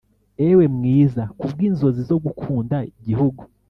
ewe mwiza kubwinzozi zo gukunda igihugu